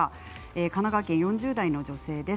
神奈川県４０代の方です。